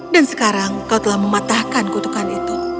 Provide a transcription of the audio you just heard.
dan sekarang kau telah mematahkan kutukan itu